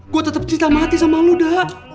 gue tetep cinta mati sama lu dada